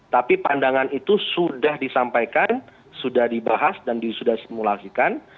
tapi pandangan itu sudah disampaikan sudah dibahas dan disimulasikan